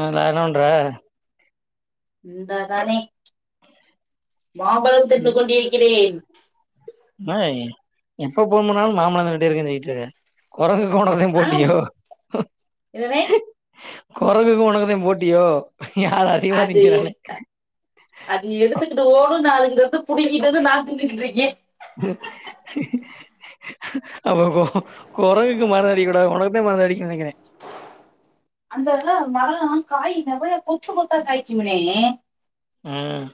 அ ந என்ன பண்ற இந்த தானே மாபளம் தின்னு கொண்டுருக்கிறே [unintelligible] எப்ப போண் பன்னாலு மாபழம் திண்ணுட்ருகே சொல்லிட்டு கொரங்கு [unintelligible] த ஆ போட்டியோ இதனே கொரங்கு உனக்குத போட்டியோ யார் அதிகமா அது திங்கிறான்னு அது எடுத்துக்குட்டு ஓடு நா எதுப் புடி இதனு நா தின்னுக்குட்ருக்கே அப்ப கொ கொரங்குக்கு [unintelligible] அடிக்க கூடாது உனக்குத்தா [unintelligible] அடிக்கனு நெனக்கிறே அந்தெல்லா மரொல்லா காய் நவள போய் ச்சு போட்டா காய்க்குனே ம்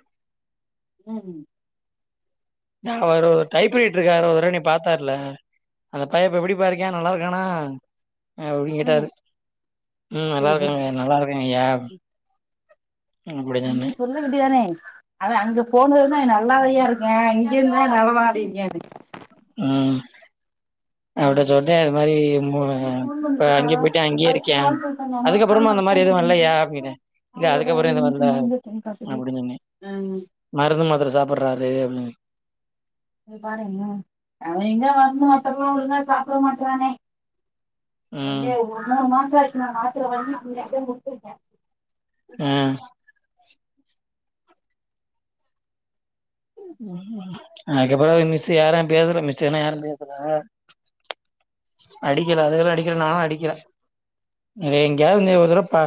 ம் நா அவரு டைப் ரைட்டருக்கு அவ [unintelligible] பாத்தாருல அந்த பைய இப்ப எப்டிபா இருக்கா நல்லா இருக்கானா அ அபடின்னு ம் கேட்டாரு ம் நல்லா சரி சரி இருக்கேங்க நல்லா இருக்கேங்க ஐயா நீ சொல்ல வேண்டியதானே அவ அங்க போனதுமே நல்லாதாயா இருக்கான் எல்லா அவ வாடிங்க்காது ம் அவள்ட்ட சொல்டே இது மாரி மூ ஒரு பொண்ணு ஃபோன் இப்ப பண்ணிச்சுக்கா அங்கயே போயிட்டு அங்கயே அதுக்கு இருக்கே கால் பண்ணிட்டாங்க அம்மா கால் அதுக்கப்புறமா பண்ண அந்த போக மாரி எதுவு இல்லயா மாட்டேங்குது அப்டினே இல்ல அவளோட அதுக்கப்புறொ எதுவு இல்ல இது முடிஞ்சிருச்சுன்னு காட்டுது அப்டி சொன்னே ம் மருந்து மாத்துர சாப்பிட்றாரு அப்டின்னு பாருங்கள அவ எங்க வர்மாட்டறா ஒழுங்கா சாப்பிட மாட்றாங்க ம் அப்டியே ஒரு நேர மா தேக்குனா மாத்துர வாங்கி டு நைட் தா குடுத்துருக்கே கு ஆ மாத்தி மா அதுக்கப்புறொ மிஸ் யாரு பேசல மிஸ்ஸுலா யாரு பேசல அடிக்கல அதுங்கலே அடிக்கல நாளு அடிக்கல இத எங்கெயாவது நீ ஒருதடவ ப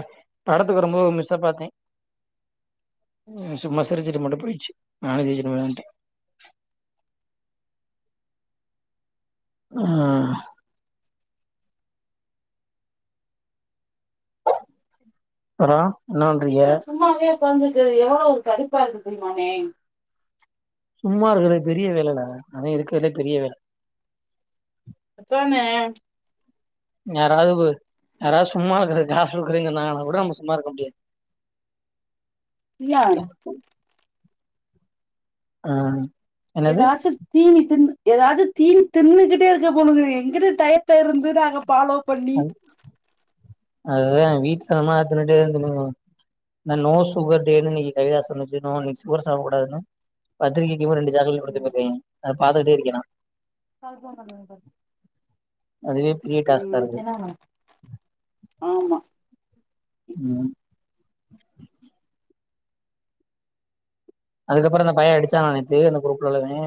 படத்துக்கு வரும்போது ஒரு மிஸ்ஸ பாத்தே ம் சும்மா சிரிச்சுட்டு மட்டு போய்ச்சு நானு ஜெய்சு [inaudible] ஆ அப்பறொ என்ன பண்றிங்க ஒக்காந்தது எவ்வளோ கடுப்பா இருக்கு தெரியமாணே சும்மா இருக்கற்து பெரிய வேல தாங்க அதா இருக்குறதுலேயே பெரிய வேல அப்போ ணே யாராவு யாரா சும்மா இருக்குறதா சொல்றங்க நாங்க கூட நம்ம சும்மா இருக்க முடியாது [inaudible] இல்ல ஆ என்னது ஏதாச்சு தீனி தின்னு ஏதாச்சு தீனி தின்னுகுட்டே இருக்க போதுங்கு எங்கிட்டு டயத்த இருந்து நாங்க பாலோ பண்ணி அதே வீட்டு [unintelligible] தின்னுட்டு [unintelligible] நோ சுகர் டேனு இன்னிக்கு கவிதா சொன்னுச்சு நோ இன்னைக்கு சுகர் சாப்டக்கூடாதுனு பத்திரிக்கை இவ ரெண்டு சாக்லேட் ம் குடுத்துருக்கதே அத பாத்துகுட்டே இருக்கே நா அதுவே பெரிய டாஸ்க்காருக்கு என்னவா ஆமா ம் அதுக்கப்பற அந்த பைய அடிச்சானா நேத்து அந்த க்ரூப்ல உள்ளவே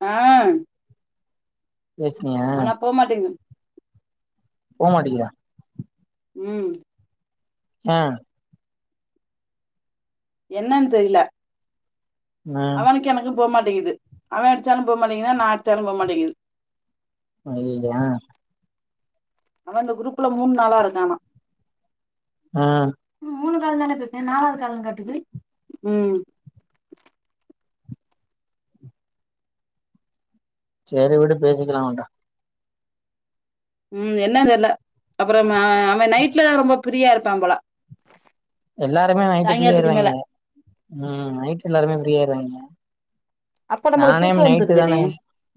ஆ ஆனா போமாட்டேங்து போமாட்டிங்கிதா ம் ஏ என்னன் தெரில ம் அவனுக்கு எனக்கு போ மாட்டிங்கிது அவ அடிச்சாலு போ மாட்டிங்கிது நா அட்ச்சாலு போ மாட்டிங்கிது அய்யய்யோ ஏ ஆனா இந்த குரூப்ல மூண் நாளா இருக்கானா ஆ மூணு கால் தானே பேசுன நாலாவது கால்ன்னு காட்டுது ம் சேரி விடு பேசிக்கலா அவன்ட்ட ம் என்ன தெர்ல அப்றம் ஆ அவ நைட்ல ரொம்ப பிரியா இருப்பாம் போல எல்லாருமே நைட்டு சாயங்காலத்துக்கு மேல ஃப்ரீயாயிருவாய்ங்க ம் நைட் எல்லாருமே ஃப்ரீயாயிருவாய்ங்க அப்ப நம்மளுக்கு நானே தூக்க நைட்டு தானே வந்துருதுனே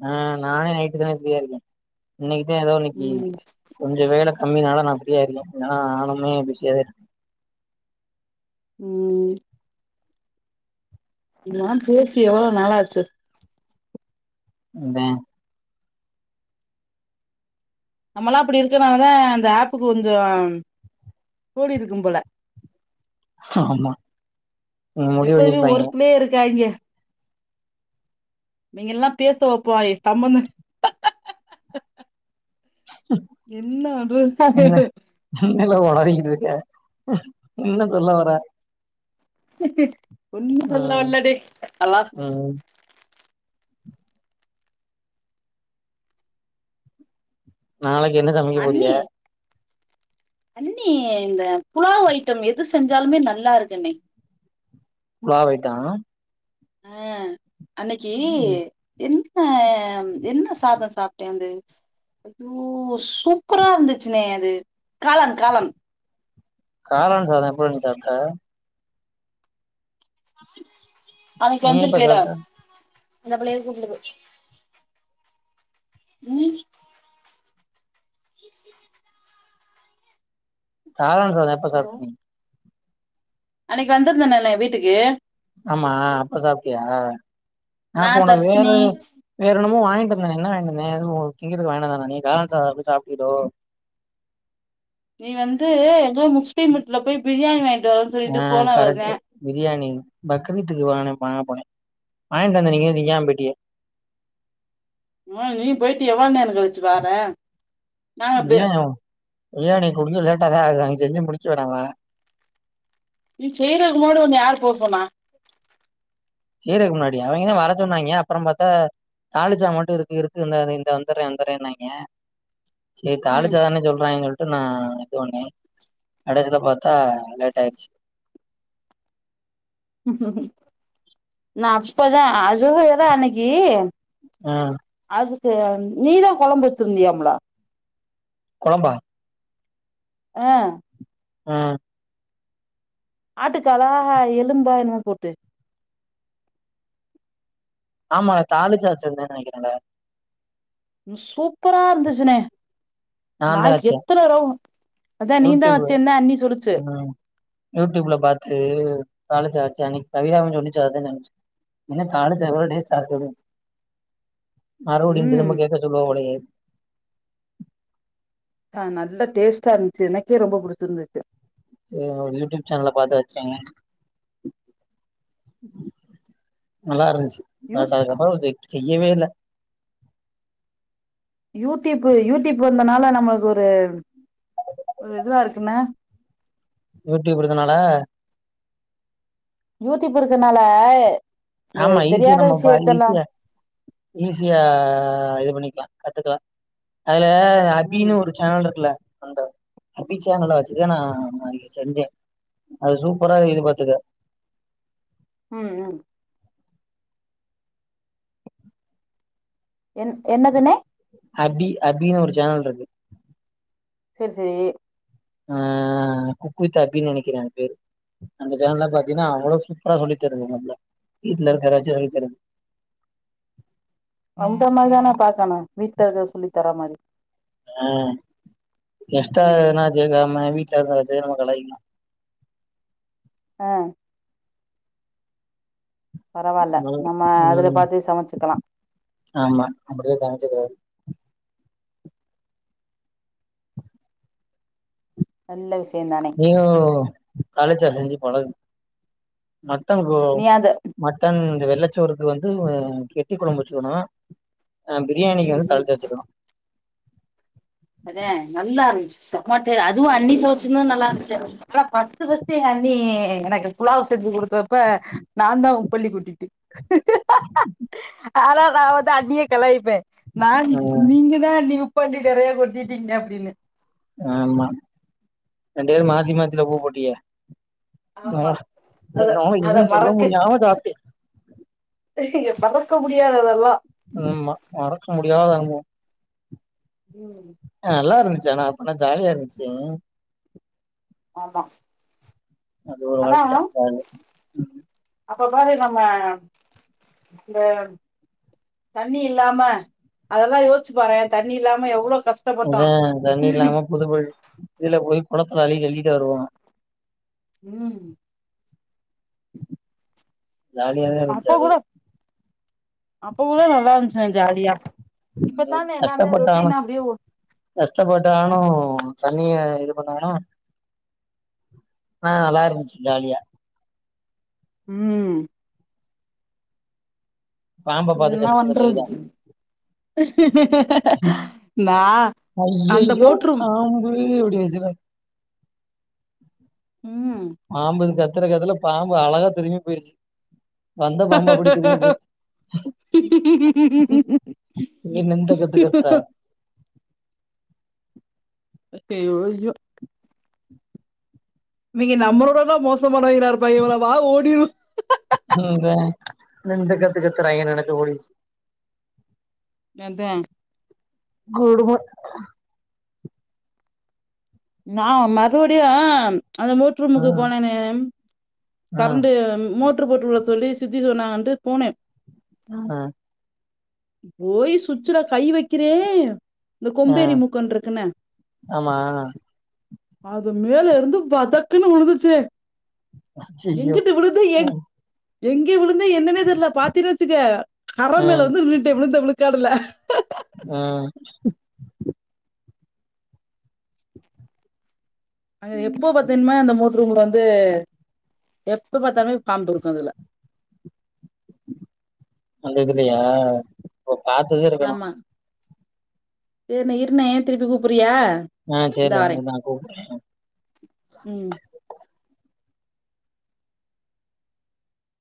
ஆ நானே நைட்டு தானே ஃப்ரியா இருக்கே இன்னைக்கிதா ஏதோ இன்னைக்கி ம் கொஞ்சொ வேல கம்மினால நா ஃப்ரீயா இருக்கே இல்லனா நானுமே பிசியா தா இருப்பே ம் நீங்கல்லா பேசி எவ்வளோ நாளாச்சு அதா நம்மல்லா அப்டி இருக்கனாலதா அந்த ஆப்பு கொஞ்சொ கூடிருக்கும் போல ஆமா ம் முடிவு எப்பவுமே பண்ணிருப்பாய்ங்க ஒர்க்குலயே இருக்காய்ங்க நீங்க எல்லா பேச வப்பாய் [unintelligible] என்ன பண்றது என்னலே ஒலரிகிட்ருக்க என்ன சொல்ல வர [unintelligible] ஒன்னு சொல்ல ம் வர்லடி அல்லா ம் நாளைக் என்ன சமைக்க அண்ணி போறிக அண்ணி இந்த புலாவ் ஐட்டம் எது செஞ்சாலுமே நல்லா இருக்கு அண்ணி புலாவ் ஐட்டம் ஆ அன்னைக்கி ம் எந் ஆம் என்ன சாதோ சாப்டேன்து ஐய்யோ சூப்பரா இருந்துச்சுண்ணே அது காளான் காளான் காளான் சாதோ எப்ப நீ சாப்ட அன்னைக்கு நீ எப்ப வந்திருக்கேல சாப்ட்ட அந்த பிள்ளைள் கூப்டுது ம் [inaudible] காளான் சாதோ எப்ப ஹலோ. சாப்ட நீ அன்னைக்கு வந்திருந்தண்ணேலே வீட்டுக்கு ஆமா அப்ப சாப்டியா ஆ நா அப்ப நான் ஒனக்கு வேறோ தர்ஷினி வேற என்னம் என்னமோ வாங்கிட்டு வந்தனே என்ன வாங்கிட்டு வந்தன் ஒ திங்கறதுக்கு வாங்கிட்டு வந்தே [unintelligible] காளான் சாதோ போய் சாப்டியலோ நீ வந்து போய் முஸ்லீம் வீட்ல போய் பிரியாணி வாங்கிட்டு வரன்னு ஆ சொல்லிட்டு போனவர்த கரெக்ட்டு. பிரியாணி பக்ரீத்துக்கு [unintelligible] வாங்க போனே வாங்கிட்டு வந்தே நீங்கத திங்காம போயிட்டிய எ நீ போயிட்டு எவ்ளோ நேரோ கழிச்சு வார்ற [unintelligible] இயாணி குடுக்க லேட்டாதா ஆகு அங்க செஞ்சி முடிக்க வேணாவா நீ செய்றக்கு முன்னாடி ஒண்ண யார் போ சொன்னா செய்றதுக்கு முன்னாடியா அவிங்கதா வர சொன்னாய்ங்க அப்பறம் பாத்தா தால்லுச்சா மட்டு இருக்கு இருக்கு இந்தா [unintelligible] வந்துர்ரே வந்துர்ரேன்னாய்ங்க சேர் ம். தால்லுச்சா சொல்றாய்ங்க சொல்ட் [unintelligible] நடக்கறத பாத்தா லேட் ஆயிருச்சு நா அப்பதா ஆத் [unintelligible] அன்னைக்கி ம் அது [unintelligible] நீதா கொழம்பு வச்சிருந்தியாம்ல்ல கொழம்பா ஆ ஆ ஆட்டுக்காலா எலும்பா என்னமோ போத்து ஆமா அத தாலிச்சாச்சில்ல நெனைக்கிறேன்ல ம் சூப்பரா இருந்துச்சுணே நா நான் தான் வச்சேன். எத்தன தடவ அதா நீ தா யூடியூப் தின்ன அண்ணி சொல்லச்சு ம் யூடியூப்ல பாத்து தாளிச்சு வச்சே அன்னைக்கு கவிதாவு சொன்னிச்சு அததா சொன்னிச்சு என்ன தாளிச்ச அப்புறோ டேஸ்டா இருக்குனு மறுபடியு ம் திரும்ப கேக்க சொல்லுவா போலயே ஆ நல்லா டேஸ்ட்டா இருந்துச்சு எனக்கே ரொம்ப புடிச்சிருந்துச்சு எ யூடியூப் சேனல்ல பாத்து வச்சேங்க நல்லாருந்துச்சு யூத் அடாக் [unintelligible] செக் ச்சி இவே இல்ல யூடியூப்பு யூடியூப்பு வந்தனால நம்மளுக்கு ஒரு ஒரு இதுவா இருக்கும்னா யூடியூப் இருந்தனால யூடியூப் இருக்கனால இந்த ஆமா ஈஸியா தெரியாத நம்ம பா விஷயத்தெல்லா ஈஸியா ஈஸியா இது பண்ணிக்கலா கத்துக்கலா அதுல அபின்னு ம் ஒரு சேனல் இருக்குல்ல அந்த அபி சேனலா வச்சு தா நா அது செஞ்சே அது சூப்பரா இது பாத்துக்க ம் ம் என் என்னதுன்னே அபி அபினு ஒரு சேனல் இருக்கு செரி செரி அ குக்கு வித் அபின்னு நெனைக்கிறே அது பேரு அந்த சேனல்ல பாத்தீன்னா அவ்ளோ சூப்பரா சொல்லி தருதுங்க நம்பளா வீட்டுல இருக்கற எதச்சு சொல்லி தருது அந்த மாரிதானே பாக்கனு வீட்ல இருக்க சொல்லி தர மாரி அ கெஸ்ட்டா ம் எதுனா சேந்தாமாரி செர்ங்க செய்றவங்கள கலாய்க்கிங்லா ஆ பரவால்ல ம் நம்ம அதுல ம். பாத்தே சமைச்சுக்கலா ஆமா அப்படிதா சமைச்சுக்கிறது நல்ல விஷ் நீயு காலேஜில செஞ்சி பழகு மட்டன் ப்ரோ நீ அது மட்டன் எ வெள்ளச்சோறுக்கு வந்து கெட்டி கொழம்பு வச்சுக்கணு அ பிரியாணிக்கி ம் வந்து ம் தாளிச்சா வச்சுக்கணு அதே நல்லாருந்துச்சு செம டே அதுவு அன்னி ஃபோர்ட்ஸ் தின்னு நல்லாருந்துச்சு அதுவு [unintelligible] ஃபர்ஸ்ட் ஃபர்ஸ்ட் என் அண்ணி எனக்கு புலாவ் செஞ்சி குடுத்தப்ப நா தா உப்பள்ளி கொட்டிட்டு ஆனா நா வந்து அண்ணிய கலாயிப்பே நா ந் ந் ந் ம் நீங்க தா அண்ணி உப் பள்ளி நறையா கொட் டிட்டிங்க அப்டின்னு ஆமா ரெண்டு பேரு மாத்தி மாத்தில உப்பு போட்டீங்க பா ஆமா அத என்னவோ அத இதுன்னு சொல்ல முடியாம சாப்ட்டி பத்தக முடியாது அதெல்லா ம்மா மறக்க முடியத அனுபவோ ம் அ நல்லா இருந் ச்சு அனா அனா ஜாலியா இருந்துச்சு ம் ஆமா அது ஒரு ஆனா வாழ்க்க அது அப்ப பாரு நம்ம இந்த தண்ணி இல்லாம அதெல்லா யோசிச்சு பாறே தண்ணி இல்லாம எவ்ளோ கஷ்டப்பட்டோ அதான் தண்ணி இல்லாம புதுபழி இதுல போய் குளத்துல அள்ளிட்டு அள்ளிட்டு வருவோம் ம் ஜாலியாதா இருந்துச் அப்ப கூட அதுவும் அப்ப கூட நல்லா இருந்துச் [unintelligible] கஷ்டப்பட்டானும் ஓ கஷ்டப்பட்டானும் தண்ணிய இது பண்ணனும் ஆ நல்லா இருந்துச்சு ஜாலியா ம் பாம்ப பாத்து என்ன கத்துச்சது கைதா வண்றது நான் அந்த ஐயையோ மோட்ரும் பாம்பு [unintelligible] ம் மாம்புது கத்து கத்துர கத்துல பாம்பு அழகா திரும்பி போயிிருச்சு ஹ ஆஹ் இவன் இந்த ஹி கத்து கத்துறா ஹி ஐயோ ஐயோ இவங்க நம்மளோட மோசம் மானவிங்கலா இருப்பாங்க போல வா ஓடிருவோம் எந்த இந்த கத்துக்கத்துறாங்க நினைச்சு ஓடிருச் அதான் குடும நான் மறுபடியும் ஆ அந்த மோட் ஆ ரூமுக்கு போனே ஆ கரண்டு மோட் ரூ போட்டுட சொல்லி சித்தி சொன்னாங்க ன்னு போனேன் ஆ போய் சுச்சல கை வைக்கிறேன் இந்த ஆ கொம்பேரி மூக்கன்ன இருக்குன ஆமா அது மேல இருந்து வதக்குன்னு உழுந்துச்சே ஐயையோ எங்கிட்ட விழுத ஏங எங்கே உளுக் என்னன்னே தெர்ல பாத்தினு வச்சிக்க கரை ஆ மேல வந்து விந்டா விழுந்த விலுக் தெரில ஆ அங்க எப்போ பாத்தீன்னுமே அந்த மோட் ரூம்ல அ எப்ப பார்த்தாலேபாம்பு இருக்கும் அதில அந்த இதுலயா அப்ப பார்த்திடே இருக்கணு சரினை இருன திருப்பி கூப்பறியா ஆ செரிலே நா கூப்பிரே ம்